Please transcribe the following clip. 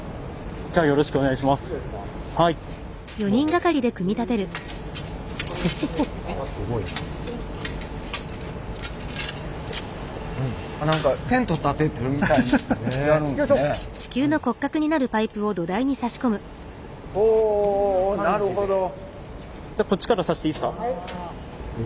じゃあこっちから差していいっすか。